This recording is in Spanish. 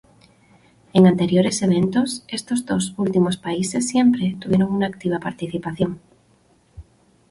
En anteriores eventos, estos dos últimos países siempre tuvieron una activa participación.